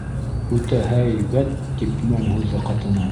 - Үтә һәй-бә-әт, - тип моң һуҙҙы ҡатыны.